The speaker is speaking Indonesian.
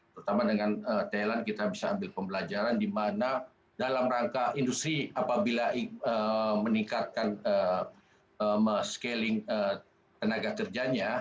terutama dengan thailand kita bisa ambil pembelajaran di mana dalam rangka industri apabila meningkatkan scaling tenaga kerjanya